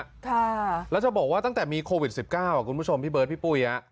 โอ้โหสุดยอดพี่วรากรแล้วจะบอกว่าตั้งแต่มีโควิด๑๙คุณผู้ชมพี่เบิร์ตพี่ปุ๊ย